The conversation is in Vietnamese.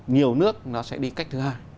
nhiều nước nó sẽ đi cách thứ hai